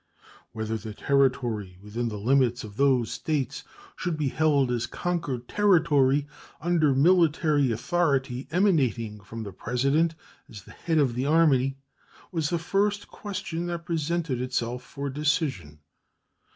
Whether the territory within the limits of those States should be held as conquered territory, under military authority emanating from the President as the head of the Army, was the first question that presented itself for decision.